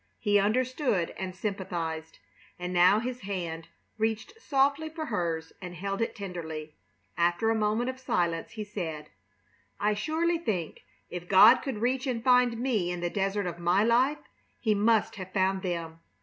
He understood and sympathized, and now his hand reached softly for hers and held it tenderly. After a moment of silence he said: "I surely think if God could reach and find me in the desert of my life, He must have found them.